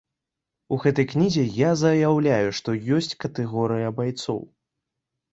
У гэтай кнізе я заяўляю, што ёсць катэгорыя байцоў.